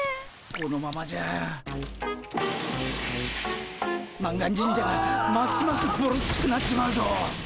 このままじゃ満願神社がますますぼろっちくなっちまうぞ。